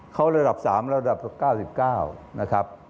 เขาลำดับ๓แล้วลำดับ๙๙นะครับ